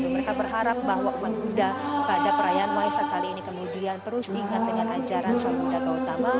mereka berharap bahwa umat buddha pada perayaan waisak kali ini kemudian terus diingat dengan ajaran salam undang undang utama